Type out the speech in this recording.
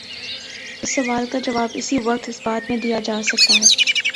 اس سوال کا جواب اسی وقت اثبات میں دیا جا سکتا ہے۔